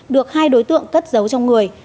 được hai đối tượng cất giấu trong người